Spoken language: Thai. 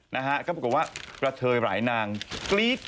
นะฮะก็บอกว่ากระเทยหลายนางกรี๊ดกรัด